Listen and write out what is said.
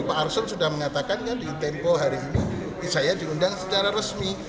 pak arsul sudah mengatakan kan di tempo hari ini saya diundang secara resmi